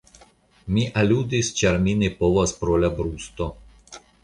Mi aludis ĉar mi ne povas pro la brusto.